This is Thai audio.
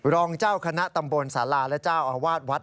รองเจ้าคณะตำบลศาลาและเจ้าอาวาสวัด